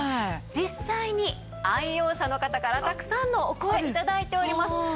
実際に愛用者の方からたくさんのお声頂いております。